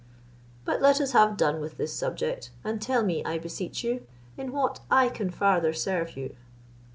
But let us have done with this subject, and tell me, I beseech you, in what I can farther serve you."